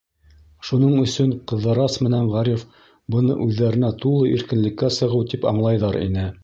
Шуның өсөн Ҡыҙырас менән Ғариф быны үҙҙәренә тулы иркенлеккә сығыу тип аңлайҙар ине.